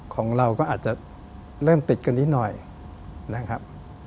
ของเราก็อาจจะเริ่มติดกันนิดหน่อยนะครับ